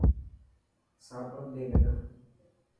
صابن ڏي منا.